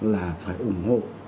là phải ủng hộ